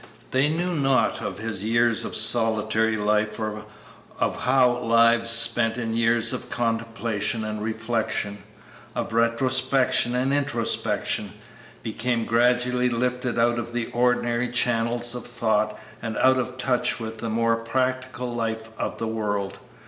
They knew naught of his years of solitary life or of how lives spent in years of contemplation and reflection, of retrospection and introspection, become gradually lifted out of the ordinary channels of thought and out of touch with the more practical life of the world.